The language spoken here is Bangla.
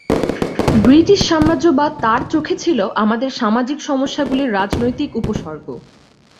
ব্রিটিশ সাম্রাজ্যবাদ তার চোখে ছিল "আমাদের সামাজিক সমস্যাগুলির রাজনৈতিক উপসর্গ"।